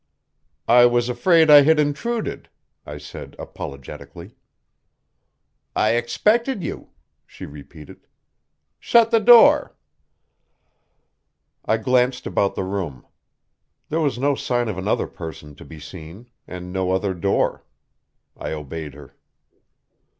"I was afraid I had intruded," I said apologetically. "I expected you," she repeated. "Shut the door." I glanced about the room. There was no sign of another person to be seen, and no other door. I obeyed her.